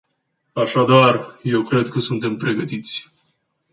Așadar, eu cred că suntem pregătiți.